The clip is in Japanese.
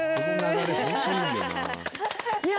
いや！